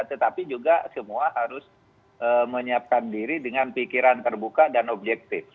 tetapi juga semua harus menyiapkan diri dengan pikiran terbuka dan objektif